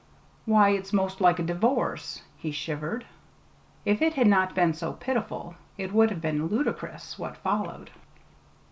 "Why, it's 'most like a d'vorce!" he shivered. If it had not been so pitiful, it would have been ludicrous what followed.